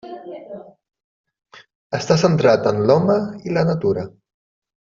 Està centrat en l'home i la natura.